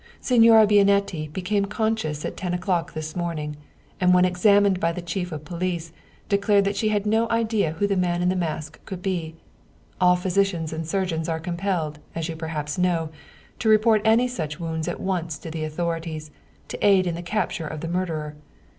Signora Bianetti became con scious at ten o'clock this morning, and when examined by the chief of police, declared that she had no idea who the man in the mask could be. All physicians and surgeons are compelled, as you perhaps know, to report any such wounds at once to the authorities, to aid in the capture of the murderer.